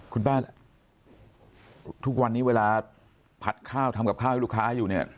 คุณป้าทุกวันนี้เวลาผัดข้าวทำกับข้าวให้ลูกค้าอยู่เนี่ย